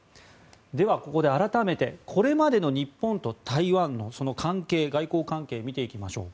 では、ここで改めてこれまでの日本と台湾の関係外交関係を見ていきましょう。